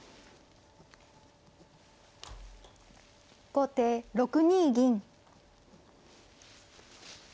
後手６二銀。